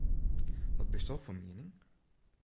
Wat bisto fan miening?